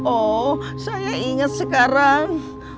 oh saya inget sekarang